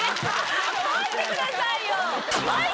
書いてくださいよ。